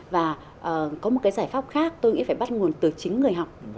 và có một cái giải pháp khác tôi nghĩ phải bắt nguồn từ chính người học